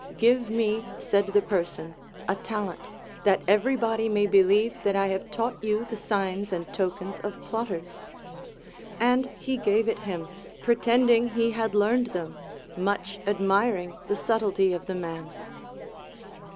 Give me, said the person, a talent, that everybody may believe that I have taught you the signs and tokens of plotters ; and he gave it him, pretending he had learned them, much admiring the subtilty of the man.